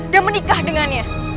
dan menikah dengannya